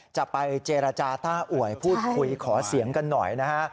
จะไปเจรจาต้าอ่วยพูดคุยขอเสียงกันหน่อยนะฮะ